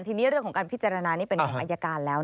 ทีนี้เรื่องของการพิจารณานี่เป็นของอายการแล้ว